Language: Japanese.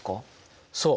そう。